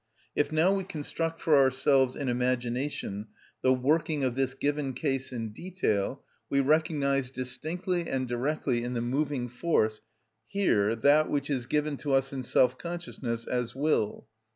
If now we construct for ourselves in imagination the working of this given case in detail, we recognise distinctly and directly in the moving force here that which is given to us in self‐consciousness as will.